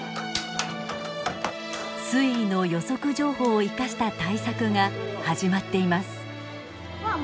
水位の予測情報を生かした対策が始まっています。